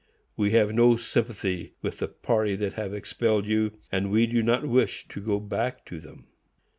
We have no sympathy with the party that have expelled you, and we do not wish to go back to them.